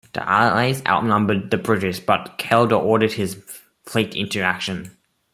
The allies outnumbered the British; but Calder ordered his fleet into action.